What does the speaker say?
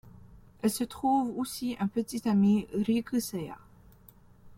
Elle se trouve aussi un petit ami, Riku Seya.